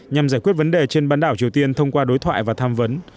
nhằm giải quyết vấn đề trên bán đảo triều tiên thông qua đối thoại và tham vấn